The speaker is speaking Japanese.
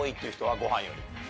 ご飯より。